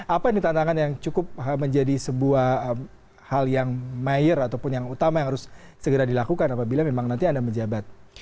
apa ini tantangan yang cukup menjadi sebuah hal yang mayor ataupun yang utama yang harus segera dilakukan apabila memang nanti anda menjabat